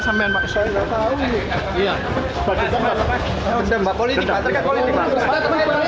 saya nggak tahu ini